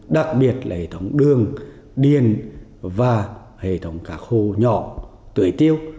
đặc biệt là hệ thống đường điền và hệ thống cá khô nhỏ tưới tiêu